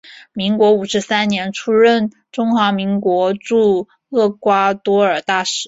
民国五十三年出任中华民国驻厄瓜多尔大使。